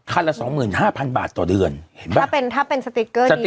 ละสองหมื่นห้าพันบาทต่อเดือนถ้าเป็นถ้าเป็นสติ๊กเกอร์ดี